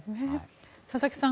佐々木さん